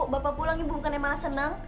bapak pulang ibu bukan emang senang